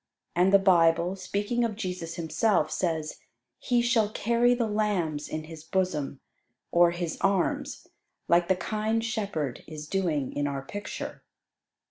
And the Bible, speaking of Jesus Himself, says, "He shall carry the lambs in His bosom," or His arms, like the kind shepherd is doing in our picture.